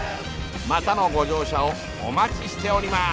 またのご乗車をお待ちしております」。